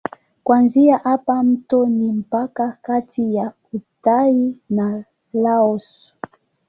Kuanzia hapa mto ni mpaka kati ya Uthai na Laos.